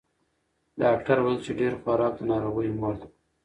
ډاکتر ویل چې ډېر خوراک د ناروغیو مور ده.